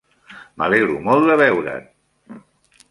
M"alegro molt de veure't.